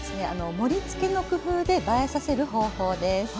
盛りつけの工夫で映えさせる方法です。